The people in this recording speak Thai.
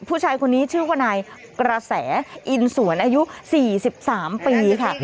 ผู้ชายคนนี้ชื่อว่านายกระแสอินสวนอายุ๔๓ปีค่ะ